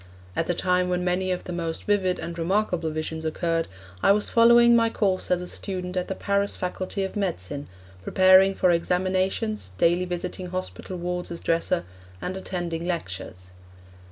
At the time when many of the most vivid and remarkable visions occurred I was following my course as a student at the Paris Faculty of Medicine, preparing for examinations, daily visiting hospital wards as dresser, and attending lectures.